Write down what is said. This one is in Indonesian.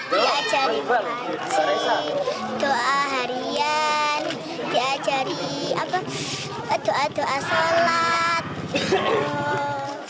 diajari doa harian diajari doa doa sholat